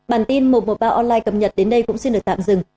bản tin một trăm một mươi ba online cập nhật đến đây cũng xin được tạm dừng